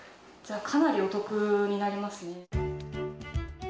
かなりお得になりますね。